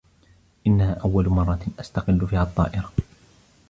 إنّها أوّل مرّة أستقلّ فيها الطّائرة.